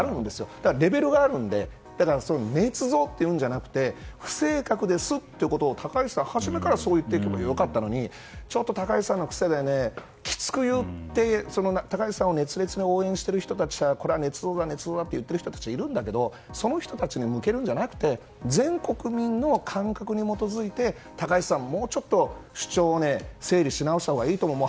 ただ、レベルがあるのでねつ造と言うんじゃなくて不正確ですってことを高市さんは初めから言えば良かったのに高市さんの癖で、きつく言って高市さんを熱烈に応援している人たちでこれはねつ造だと言っている人たちがいるんだけどその人たちに向けるんじゃなくて全国民の感覚に基づいて高市さんもうちょっと主張を整理し直したほうがいいと思う。